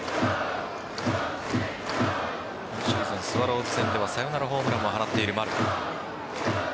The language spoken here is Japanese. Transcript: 今シーズンスワローズ戦ではサヨナラホームランも放っている丸。